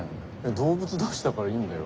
動物同士だからいいんだよ。